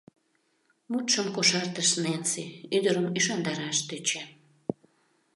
— Мутшым кошартыш Ненси, ӱдырым ӱшандараш тӧчен.